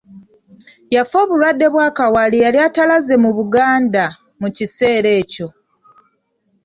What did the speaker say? Yafa obulwadde bwa kawaali eyali atalaaze mu Buganda mu kiseera ekyo.